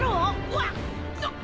うわっ！